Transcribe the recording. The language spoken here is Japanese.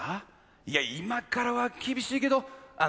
いや今からは厳しいけどあっ